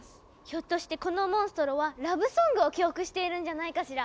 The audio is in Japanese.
ひょっとしてこのモンストロはラブソングを記憶しているんじゃないかしら。